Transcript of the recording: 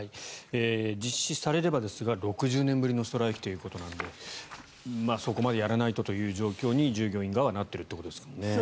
実施されればですが６０年ぶりのストライキということなのでそこまでやらないとという状況に従業員側はなっているということですもんね。